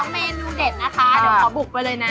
เมนูเด็ดนะคะเดี๋ยวขอบุกไปเลยนะ